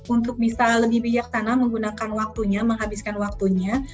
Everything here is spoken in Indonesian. untuk bisa lebih bijaksana menggunakan waktunya menghabiskan waktunya